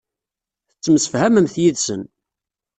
Tettemsefhamemt yid-sen.